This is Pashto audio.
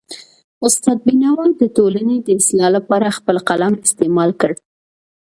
استاد بینوا د ټولنې د اصلاح لپاره خپل قلم استعمال کړ.